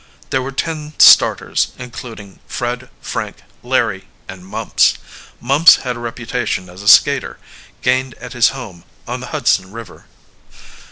There were ten starters, including Fred, Frank, Larry, and Mumps. Mumps had a reputation as a skater, gained at his home on the Hudson River.